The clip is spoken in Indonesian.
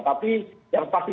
tapi yang pasti